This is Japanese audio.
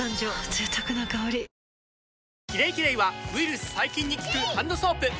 贅沢な香り「キレイキレイ」はウイルス・細菌に効くハンドソープ！